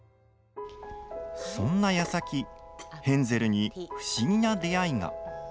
そんなやさきヘンゼルに不思議な出会いが。